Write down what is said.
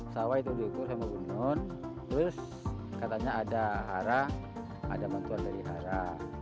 sawah itu diukur sama bunuh terus katanya ada hara ada bantuan dari hara